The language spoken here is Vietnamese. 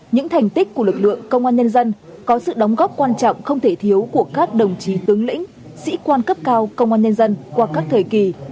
những thành tích của lực lượng công an nhân dân có sự đóng góp quan trọng không thể thiếu của các đồng chí tướng lĩnh sĩ quan cấp cao công an nhân dân qua các thời kỳ